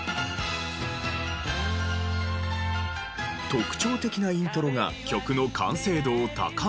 特徴的なイントロが曲の完成度を高めている。